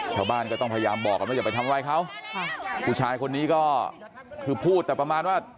ชาวบ้านก็ต้องพยายามบอกกันว่าอย่าไปทำร้ายเขาค่ะผู้ชายคนนี้ก็คือพูดแต่ประมาณว่า